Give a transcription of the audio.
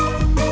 tete aku mau